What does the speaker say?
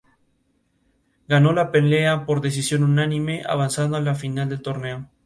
Fue una de las pioneras del baloncesto español, como jugadora, entrenadora y árbitra.